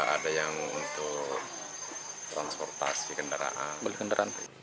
ada yang untuk transportasi kendaraan